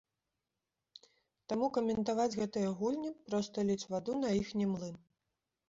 Таму каментаваць гэтыя гульні, проста ліць ваду на іхні млын.